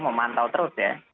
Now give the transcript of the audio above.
memantau terus ya